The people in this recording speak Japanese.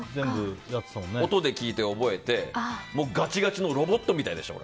音で聞いて覚えてガチガチのロボットみたいでした。